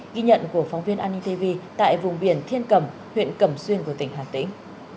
ghi nhận của phóng viên an ninh tv tại vùng biển thiên cầm huyện cẩm xuyên của tỉnh hà tĩnh